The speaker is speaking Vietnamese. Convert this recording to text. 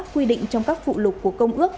quy định trong các phụ lục của công ước